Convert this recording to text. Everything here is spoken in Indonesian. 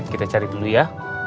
kita cari dulu ya